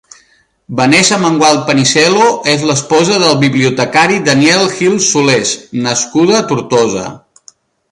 Vanessa Mengual Panisello és l'esposa del bibliotecari Daniel Gil Solés, nascuda a Tortosa.